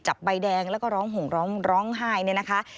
ใบแดงแล้วก็ร้องห่มร้องไห้เนี่ยนะคะ